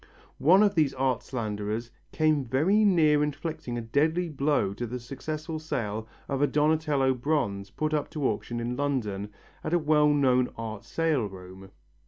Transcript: One of these art slanderers came very near inflicting a deadly blow to the successful sale of a Donatello bronze put up to auction in London at a well known art sale room.